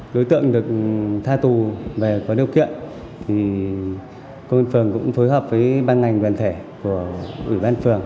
đối tượng được tha tù về có điều kiện thì công an phường cũng phối hợp với ban ngành đoàn thể của ủy ban phường